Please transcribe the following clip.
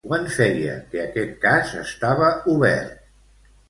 Quant feia que aquest cas estava obert?